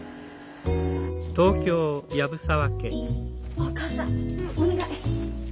お母さんお願い。